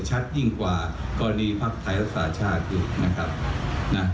ชัดยิ่งกว่ากรณีพักไทยรัฐศาสตร์อยู่